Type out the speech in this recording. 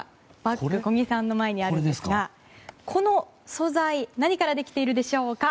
小木さんの前にあるんですがこの素材何からできているでしょうか？